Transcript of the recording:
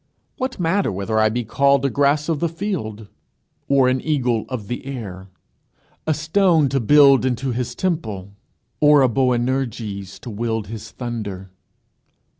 What matter whether I be called a grass of the field, or an eagle of the air? a stone to build into his temple, or a Boanerges to wield his thunder?